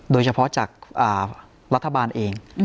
โดยเฉพาะจากรัฐบาลเอง